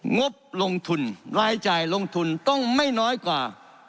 งบลงทุนรายจ่ายลงทุนต้องไม่น้อยกว่า